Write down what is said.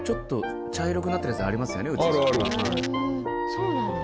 そうなんだ。